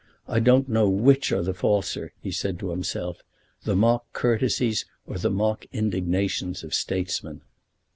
"I don't know which are the falser," he said to himself, "the mock courtesies or the mock indignations of statesmen."